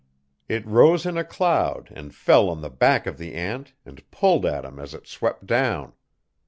It rose in a cloud and fell on the back of the ant and pulled at him as it swept down.